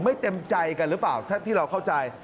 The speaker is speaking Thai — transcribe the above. เต็มใจกันหรือเปล่าถ้าที่เราเข้าใจ